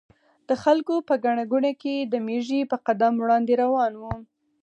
د خلکو په ګڼه ګوڼه کې د مېږي په قدم وړاندې روان و.